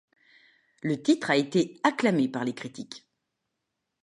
Le titre a été acclamé par les critiques.